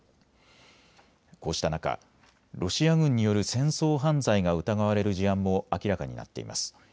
こうした中、ロシア軍による戦争犯罪が疑われる事案も明らかになっています。